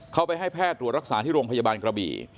เขาไปให้แพทย์ตรวจรักษาที่โรงพยาบาลกระบี่